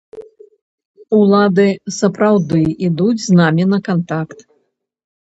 Улады сапраўды ідуць з намі на кантакт.